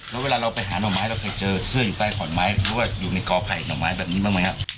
แล้วเวลาเราไปหาหน่อไม้เราเคยเจอเสื้ออยู่ใต้ขอนไม้หรือว่าอยู่ในกอไผ่หน่อไม้แบบนี้บ้างไหมครับ